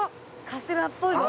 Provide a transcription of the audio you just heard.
カステラっぽいぞ。